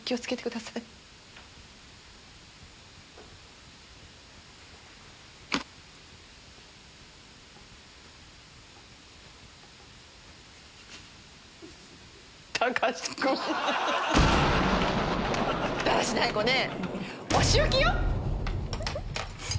だらしない子ね！